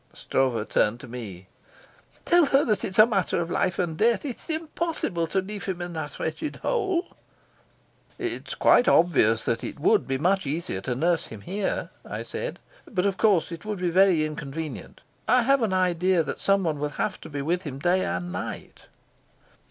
Stroeve turned to me. "Tell her that it's a matter of life and death. It's impossible to leave him in that wretched hole." "It's quite obvious that it would be much easier to nurse him here," I said, "but of course it would be very inconvenient. I have an idea that someone will have to be with him day and night."